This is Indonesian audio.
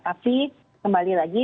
tapi kembali lagi